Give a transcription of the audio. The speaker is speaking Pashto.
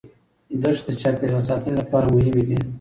دښتې د چاپیریال ساتنې لپاره مهمې دي.